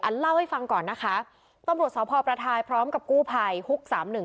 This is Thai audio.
เล่าให้ฟังก่อนนะคะตำรวจสพประทายพร้อมกับกู้ภัยฮุกสามหนึ่ง